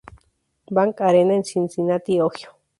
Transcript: Bank Arena en Cincinnati, Ohio.